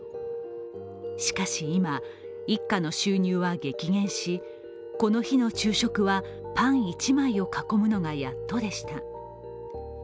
しかし今、一家の収入は激減しこの日の昼食はパン１枚を囲むのがやっとでした。